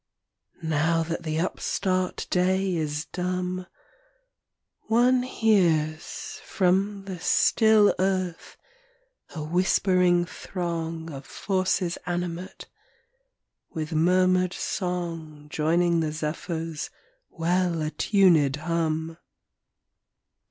Now that the upstart day is dumb, One hears from the still earth a whispering throng Of forces animate, with murmured song Joining the zephyrs' well attuned hum.